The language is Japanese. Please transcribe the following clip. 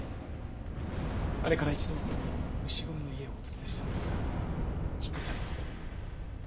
あれから一度牛込の家をお訪ねしたのですが引っ越されたあとで。